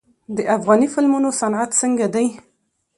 د افغاني فلمونو صنعت څنګه دی؟